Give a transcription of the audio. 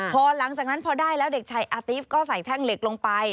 พอหลังจากนั้นพอได้แล้วเด็กชายอาติฟก็ใส่แท่งเหล็กลงไป